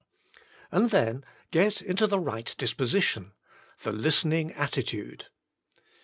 And then. Get into the Right Disposition — the listening attitude.